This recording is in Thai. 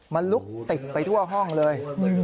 มันลุกติดไปทั่วห้องเลย